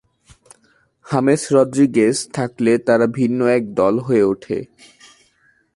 James Rodriguez থাকলে তারা ভিন্ন এক দল হয়ে ওঠে।